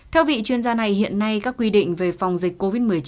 theo vị chuyên gia này hiện nay các quy định về phòng dịch covid một mươi chín